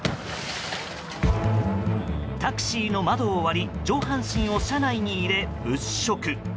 タクシーの窓を割り上半身を車内に入れ、物色。